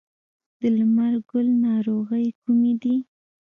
د لمر ګل ناروغۍ کومې دي؟